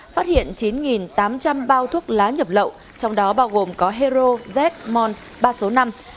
phát hiện chín tám trăm linh thùng giấy